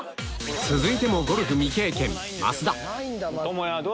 続いてもゴルフ未経験